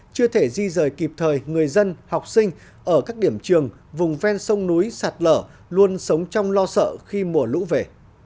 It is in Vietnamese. chưa thể di rời kịp thời người dân học sinh ở các điểm trường vùng ven sông núi sạt lở luôn sống trong lo sợ khi mùa lũ về